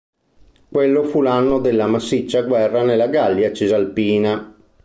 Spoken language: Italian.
Quello fu l'anno della massiccia guerra nella Gallia Cisalpina.